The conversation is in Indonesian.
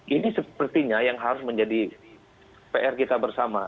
ini sepertinya yang harus menjadi pr kita bersama